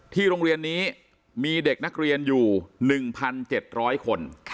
โรงเรียนนี้มีเด็กนักเรียนอยู่๑๗๐๐คน